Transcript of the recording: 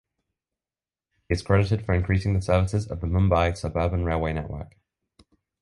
He is credited for increasing the services of the Mumbai Suburban Railway network.